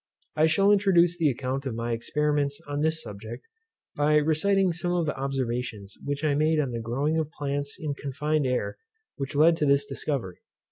I shall introduce the account of my experiments on this subject, by reciting some of the observations which I made on the growing of plants in confined air, which led to this discovery.